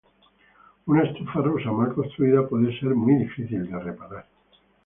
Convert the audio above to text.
Una estufa rusa mal construida puede ser muy difícil de reparar.